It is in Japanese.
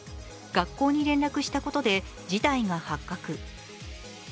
学校に聯絡したことで事態が発覚。